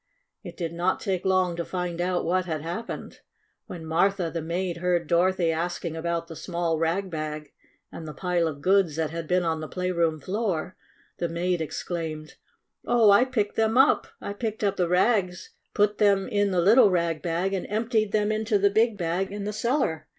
It did not take long to find out what had happened. When Martha, the maid, heard Dorothy asking about the small rag bag and the pile of goods that had been on the playroom floor, the maid exclaimed : "Oh, I picked them up! I picked up the rags, put them in the little rag bag, and emptied them into the big bag in the cellar.